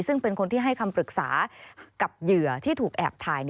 ซึ่งเป็นคนที่ให้คำปรึกษากับเหยื่อที่ถูกแอบถ่าย